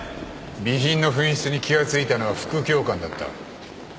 備品の紛失に気が付いたのは副教官だった。